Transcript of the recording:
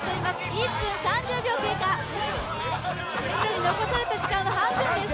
１分３０秒経過既に残された時間は半分です